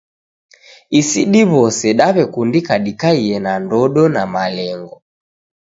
Isi diw'ose daw'ekundika dikaiye na ndodo na malengo.